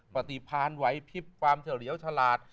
ปฏิพันธ์ไหวพิบความเฉลียวฉลาด